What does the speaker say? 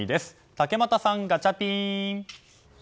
竹俣さん、ガチャピン！